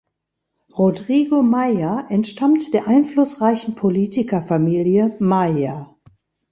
Rodrigo Maia entstammt der einflussreichen Politikerfamilie Maia.